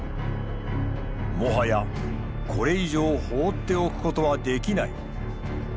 もはやこれ以上放っておくことはできない。